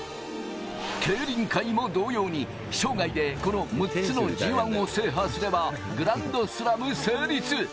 競輪界も同様に生涯でこの６つのＧ１を全制覇すればグランドスラム成立。